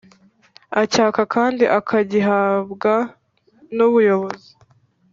Acyaka kandi akagihabwa n’ubuyobozi